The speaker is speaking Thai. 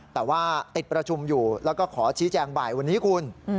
แต่ว่าติดประชุมอยู่แล้วก็ขอชี้แจงบ่ายวันนี้คุณ